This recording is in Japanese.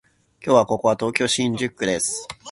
今日はここは東京都新宿区です